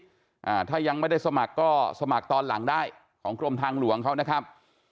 อ่าถ้ายังไม่ได้สมัครก็สมัครตอนหลังได้ของกรมทางหลวงเขานะครับ